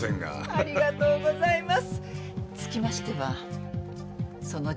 ありがとうございます。